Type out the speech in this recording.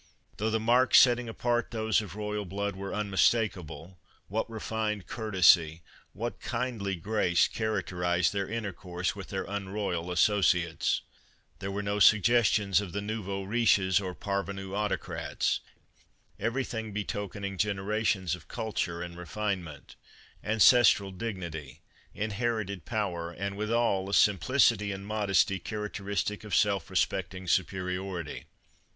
Though the marks setting apart those of royal blood were unmistakable, what refined courtesy, what kindly grace characterized their intercourse with their unroyal associates ! There were no suggestions of the nouveaux riches or parvenue autocrats, every thing betokening generations of culture and refine ment, ancestral dignity, inherited power and withal a simplicity and modesty characteristic of self respect ing superiority.